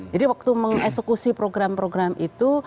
jadi waktu mengeksekusi program program itu